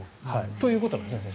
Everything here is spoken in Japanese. ということなんですね、先生。